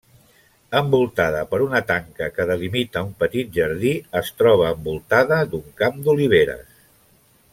Envoltada per una tanca que delimita un petit jardí, es troba envoltada d'un camp d'oliveres.